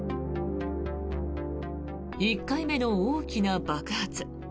１回目の大きな爆発。